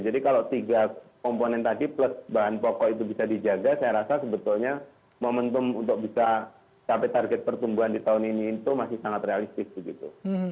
jadi kalau tiga komponen tadi plus bahan pokok itu bisa dijaga saya rasa sebetulnya momentum untuk bisa sampai target pertumbuhan di tahun ini itu masih sangat realistis begitu